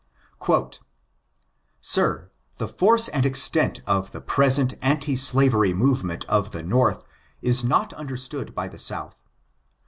]Sir, the force and extent of the present anti slavery movement of the North is not understood by the South.